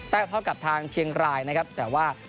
เท่ากับทางเชียงรายนะครับแต่ว่า